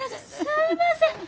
すいません！